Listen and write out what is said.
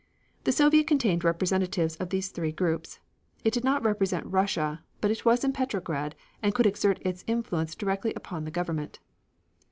The Soviet contained representatives of these three groups. It did not represent Russia, but it was in Petrograd and could exert its influence directly upon the government.